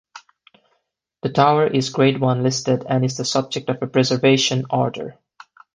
The tower is Grade One listed and is the subject of a Preservation Order.